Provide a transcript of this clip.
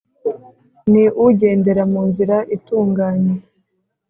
Ni ugendera mu nzira itunganye